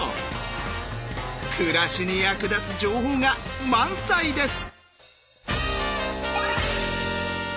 暮らしに役立つ情報が満載です！